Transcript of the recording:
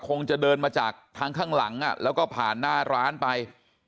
คงจะเดินมาจากทางข้างหลังแล้วก็ผ่านหน้าร้านไป